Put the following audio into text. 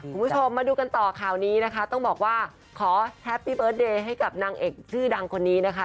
คุณผู้ชมมาดูกันต่อข่าวนี้นะคะต้องบอกว่าขอแฮปปี้เบิร์ตเดย์ให้กับนางเอกชื่อดังคนนี้นะคะ